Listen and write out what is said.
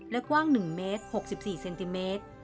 และกว้าง๑เมตร๖๔เซนติเมตร